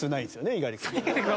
猪狩君。